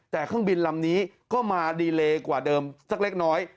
แต่เครื่องบินลำนี้ก็มาดีเลกว่าเดิมสักเล็กน้อย